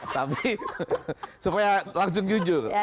tapi supaya langsung jujur